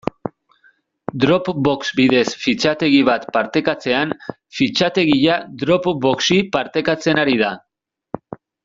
Dropbox bidez fitxategi bat partekatzean, fitxategia Dropboxi partekatzen ari da.